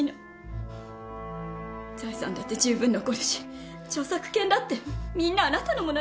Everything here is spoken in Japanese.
財産だって十分残るし著作権だってみんなあなたのものなんだから。